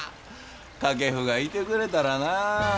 掛布がいてくれたらなあ。